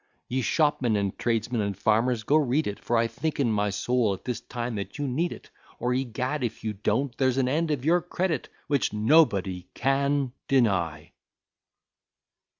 Ye shopmen, and tradesmen, and farmers, go read it, For I think in my soul at this time that you need it; Or, egad, if you don't, there's an end of your credit. Which nobody can deny.